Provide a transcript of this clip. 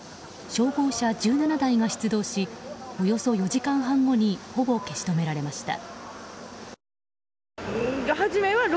消防車１７台が出動しおよそ４時間後に火は消し止められました。